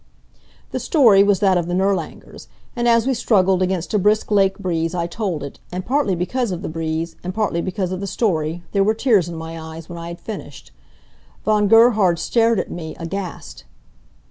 The story was that of the Nirlangers; and as we struggled against a brisk lake breeze I told it, and partly because of the breeze, and partly because of the story, there were tears in my eyes when I had finished. Von Gerhard stared at me, aghast.